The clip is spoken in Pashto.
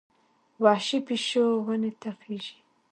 وحشي پیشو ونې ته خېژي.